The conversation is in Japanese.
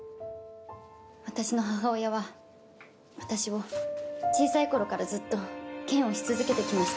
私の母親は私を小さい頃からずっと嫌悪し続けてきました。